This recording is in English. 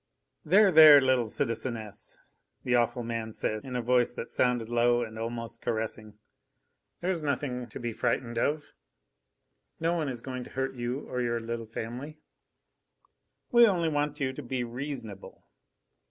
"There, there! little citizeness," the awful man said, in a voice that sounded low and almost caressing, "there is nothing to be frightened of. No one is going to hurt you or your little family. We only want you to be reasonable.